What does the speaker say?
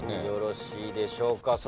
よろしいでしょうか。